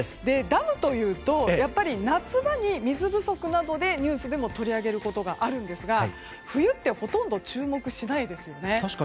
ダムというとやっぱり夏場に水不足などでニュースでも取り上げることがあるんですが冬ってほとんど注目しないですよね。